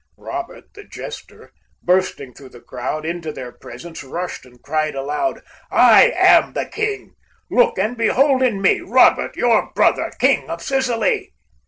Robert, the Jester, bursting through the crowd, Into their presence rushed, and cried aloud, "I am the King! Look and behold in me Robert, your brother, King of Sicily!